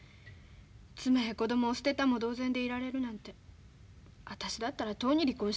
妻や子供を捨てたも同然でいられるなんて私だったらとうに離婚してるわ。